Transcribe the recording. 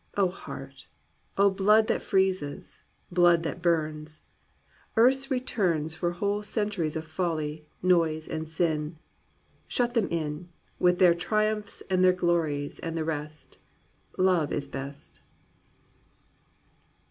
Oh heart ! Oh blood that freezes, blood that burns ! Earth's returns For whole centuries of folly, noise and sin ! Shut them in. With their triumphs and their glories and the rest ! Love is best."